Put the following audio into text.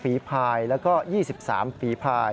๓๐ฟีและก็๒๓ฟี